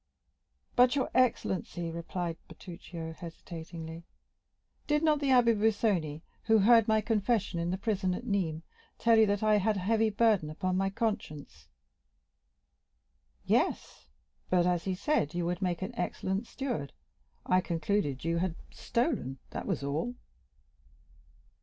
"But, your excellency," replied Bertuccio hesitatingly, "did not the Abbé Busoni, who heard my confession in the prison at Nîmes, tell you that I had a heavy burden upon my conscience?" "Yes; but as he said you would make an excellent steward, I concluded you had stolen—that was all."